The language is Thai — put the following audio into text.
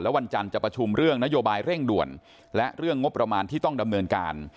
วันจันทร์จะประชุมเรื่องนโยบายเร่งด่วนและเรื่องงบประมาณที่ต้องดำเนินการ